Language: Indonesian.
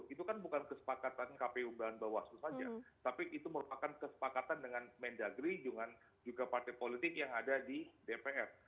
itu bukan kesepakatan kpu bawaslu saja tapi itu merupakan kesepakatan dengan med terra jangan partai politik yang ada di dpr